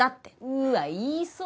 うわっ言いそう！